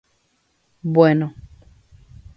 Bueno.